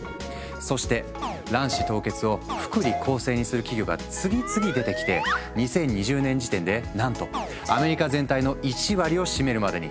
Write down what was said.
そして卵子凍結を福利厚生にする企業が次々出てきて２０２０年時点でなんとアメリカ全体の１割を占めるまでに。